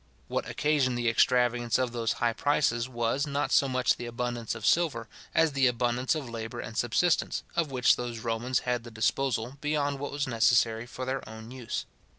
What occasioned the extravagance of those high prices was, not so much the abundance of silver, as the abundance of labour and subsistence, of which those Romans had the disposal, beyond what was necessary for their own use.